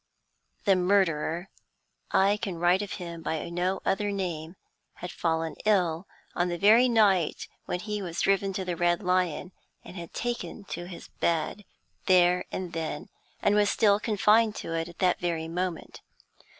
The murderer I can write of him by no other name had fallen ill on the very night when he was driven to the Red Lion, had taken to his bed there and then, and was still confined to it at that very moment.